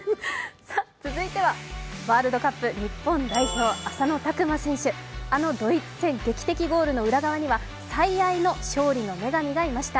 続いてはワールドカップ日本代表、浅野拓磨選手、あのドイツ戦、劇的ゴールの裏側には最愛の勝利の女神がいました。